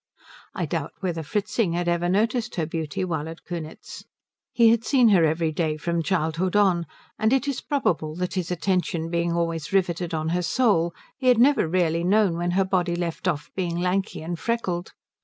I doubt whether Fritzing had ever noticed her beauty while at Kunitz. He had seen her every day from childhood on, and it is probable that his attention being always riveted on her soul he had never really known when her body left off being lanky and freckled.